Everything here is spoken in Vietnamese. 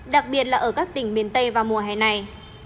đặc biệt là ở các tỉnh miền tây vào mùa hè này